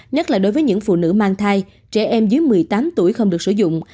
nhất là đối với những phụ nữ mang thai trẻ em dưới một mươi tám tuổi không được sử dụng